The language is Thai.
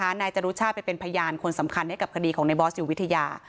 นายจรุชาติไปเป็นพยานคนสำคัญให้กับคดีของในบอสอยู่วิทยา